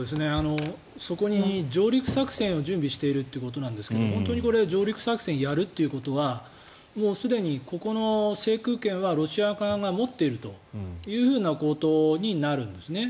上陸作戦を準備しているということですが本当に上陸作戦をやるということはもうすでにここの制空権はロシア側が持っているということになるんですね。